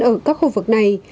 ở các khu vực này